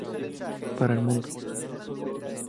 Para el mundo.